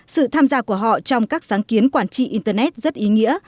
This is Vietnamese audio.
sự tham gia của họ trong các sáng kiến quản trị internet rất ý nghĩa